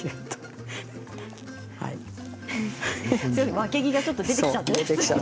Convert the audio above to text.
わけぎがちょっと出てきちゃった。